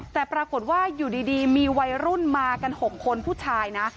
แต่ปรากฏว่าอยู่ดีมีวัยรุ่นมากัน๖คนผู้ชายนะ